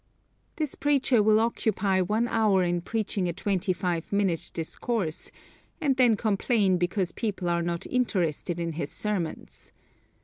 This preacher will occupy one hour in preaching a twenty five minute discourse, and then complain because people are not interested in his sermons.